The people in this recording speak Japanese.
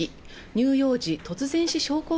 乳幼児突然死症候